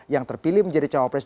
yang terpilih menjadi calon presiden